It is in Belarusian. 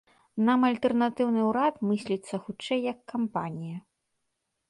Нам альтэрнатыўны ўрад мысліцца, хутчэй, як кампанія.